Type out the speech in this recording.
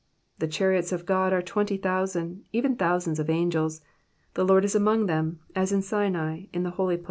17 The chariots of God are twenty thousand, even thousands of angels : the Lord is among them, as in Sinai, in the holy f>lace.